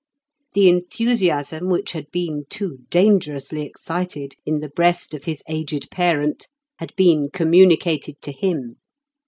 The enthusiasm which had been too dangerously excited in the breast of his aged parent had been communicated to him.